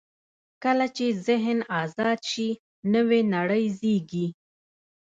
کله چې ذهن آزاد شي، نوې نړۍ زېږي.